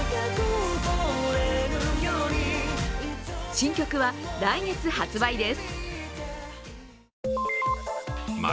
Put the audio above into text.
新曲は来月発売です。